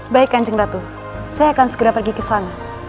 baik kanjeng ratu saya akan segera pergi ke sana